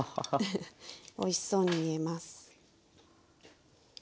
おいしそうに見えます。